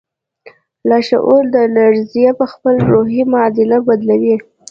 لاشعور دا لړزه پهخپل روحي معادل بدلوي